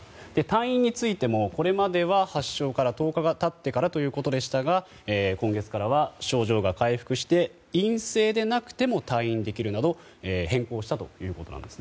退院についてもこれまでは発症から１０日たってからということでしたが今月からは症状が回復して陰性でなくても退院できるなど変更したということです。